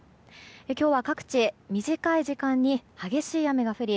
今日は各地、短い時間に激しい雨が降り